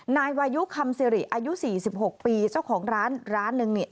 นายวายุคำสิริอายุ๔๖ปีเจ้าของร้านร้านหนึ่งเนี่ย